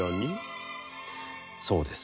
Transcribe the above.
「そうです。